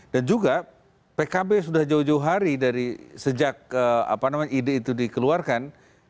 dan juga pkb sudah jauh jauh hari dari sejak ide itu dikeluarkan